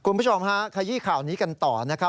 คุณผู้ชมฮะขยี้ข่าวนี้กันต่อนะครับ